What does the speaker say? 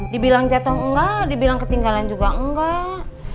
dibilang jatuh enggak dibilang ketinggalan juga enggak